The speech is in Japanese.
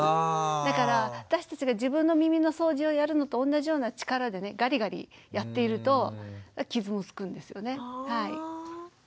だから私たちが自分の耳の掃除をやるのと同じような力でねガリガリやっていると傷もつくんですよね。